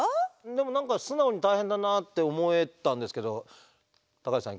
でも何か素直に大変だなって思えたんですけど高橋さん